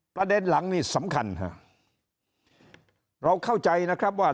ประเด็นหลังนี่สำคัญฮะเราเข้าใจนะครับว่า